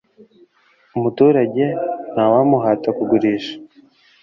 umuturage ntawamuhata kugurisha